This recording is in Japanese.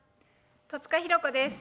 戸塚寛子です。